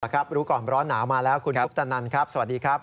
รู้ก่อนร้อนหนาวมาแล้วคุณคุปตนันครับสวัสดีครับ